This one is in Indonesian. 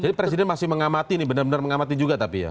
jadi presiden masih mengamati ini benar benar mengamati juga tapi ya